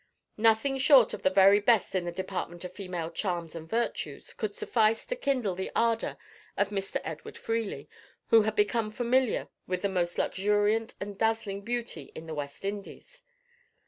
Nothing short of the very best in the department of female charms and virtues could suffice to kindle the ardour of Mr. Edward Freely, who had become familiar with the most luxuriant and dazzling beauty in the West Indies.